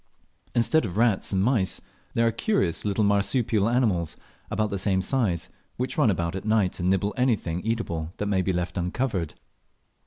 Instead of rats and mice there are curious little marsupial animals about the same size, which run about at night and nibble anything eatable that may be left uncovered.